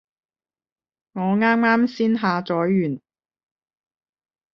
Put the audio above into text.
我啱啱先下載完